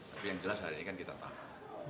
tapi yang jelas hari ini kan kita tahan